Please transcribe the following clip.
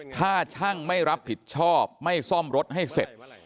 ถ้าช่างไม่รับผิดชอบไม่ซ่อมรถให้เสร็จ